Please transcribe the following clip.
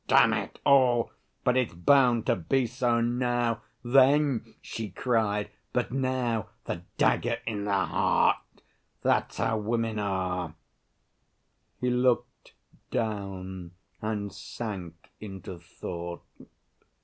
Damn it all! But it's bound to be so now.... Then she cried, but now 'the dagger in the heart'! That's how women are." He looked down and sank into thought.